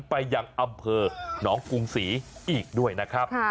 ไปยังอำเภอหนองกรุงศรีอีกด้วยนะครับ